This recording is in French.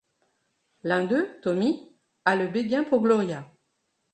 L'un d'eux, Tommy, a le béguin pour Gloria.